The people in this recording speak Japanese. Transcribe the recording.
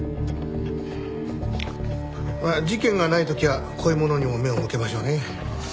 事件がない時はこういうものにも目を向けましょうね。